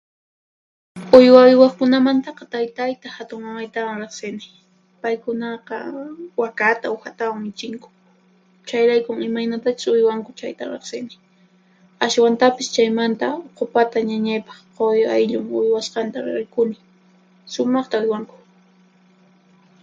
Uywa uywaqkunamantaqa taytayta hatunmamaytawan riqsini. Paykunaqa wakata uhatawan michinku, chayraykun imaynatachus uywanku chayta riqsini. Ashwantapis chaymanta Uqupata ñañaypaq quwi ayllun uywasqanta rikuni. Sumaqta uywanku.